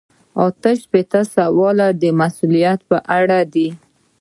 اته شپیتم سوال د مسؤلیت په اړه دی.